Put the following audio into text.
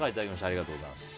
ありがとうございます。